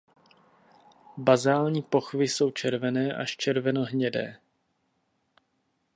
Bazální pochvy jsou červené až červenohnědé.